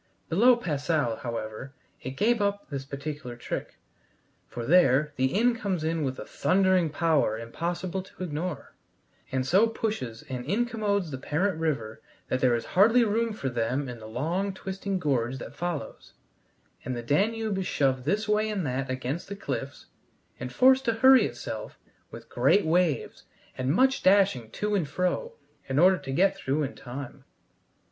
Below Passau, however, it gave up this particular trick, for there the Inn comes in with a thundering power impossible to ignore, and so pushes and incommodes the parent river that there is hardly room for them in the long twisting gorge that follows, and the Danube is shoved this way and that against the cliffs, and forced to hurry itself with great waves and much dashing to and fro in order to get through in time.